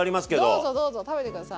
どうぞどうぞ食べて下さい。